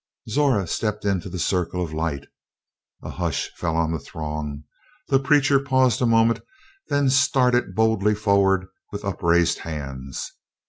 Zora stepped into the circle of light. A hush fell on the throng; the preacher paused a moment, then started boldly forward with upraised hands.